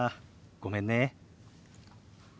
ごめんね。